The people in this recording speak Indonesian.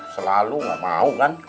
selalu gak mau kan